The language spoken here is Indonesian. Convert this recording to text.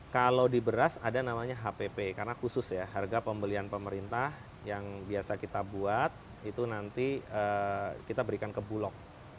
kalau di beras ada namanya hpp karena khusus ya harga pembelian pemerintah yang biasa kita buat itu nanti kita berikan ke bulog